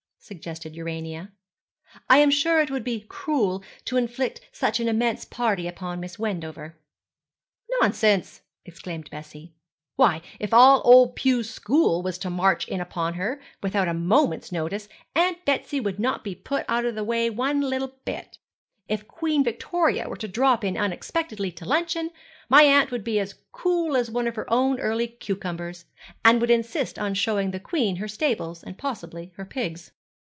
suggested Urania; 'I am sure it would be cruel to inflict such an immense party upon Miss Wendover.' 'Nonsense,' exclaimed Bessie. 'Why, if all old Pew's school was to march in upon her, without a moment's notice Aunt Betsy would not be put out of the way one little bit. If Queen Victoria were to drop in unexpectedly to luncheon, my aunt would be as cool as one of her own early cucumbers, and would insist on showing the Queen her stables, and possibly her pigs.'